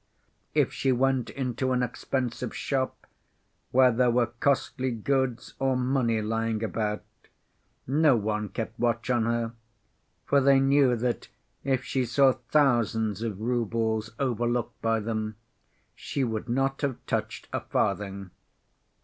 If she went into an expensive shop, where there were costly goods or money lying about, no one kept watch on her, for they knew that if she saw thousands of roubles overlooked by them, she would not have touched a farthing.